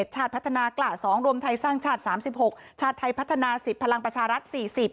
ชาติพัฒนากล่า๒รวมไทยสร้างชาติ๓๖ชาติไทยพัฒนา๑๐พลังประชารัฐ๔๐